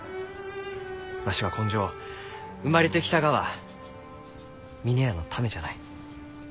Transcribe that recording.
わしは今生生まれてきたがは峰屋のためじゃない。